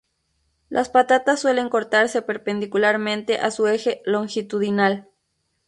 Las patatas suelen cortarse perpendicularmente a su eje longitudinal.